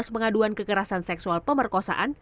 dua belas pengaduan kekerasan seksual pemerkosaan